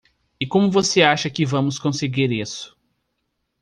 E como você acha que vamos conseguir isso?